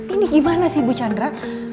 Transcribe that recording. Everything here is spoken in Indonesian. ini gimana sih bu chandra